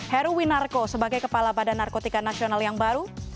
heruwi narko sebagai kepala badan narkotika nasional yang baru